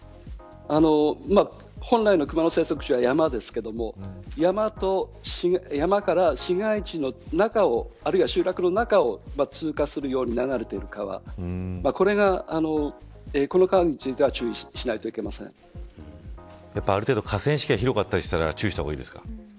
本来のクマの生息地は山ですが山から市街地の中あるいは集落の中を通過するように流れている川はこの川についてはある程度河川敷が広かったりしたら注意した方がいいですか。